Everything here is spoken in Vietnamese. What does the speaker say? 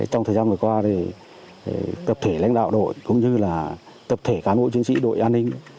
trong thời gian vừa qua tập thể lãnh đạo đội cũng như là tập thể cán bộ chiến sĩ đội an ninh